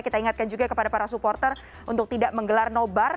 kita ingatkan juga kepada para supporter untuk tidak menggelar nobar